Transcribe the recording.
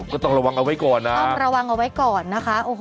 ก็ต้องระวังเอาไว้ก่อนนะต้องระวังเอาไว้ก่อนนะคะ